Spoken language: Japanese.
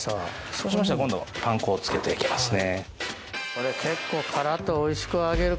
そうしましたら今度パン粉を付けていきますね。